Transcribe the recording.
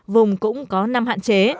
vùng cũng có năm hạn chế